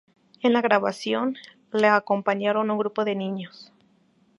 En la grabación, le acompañaron un grupo de niños.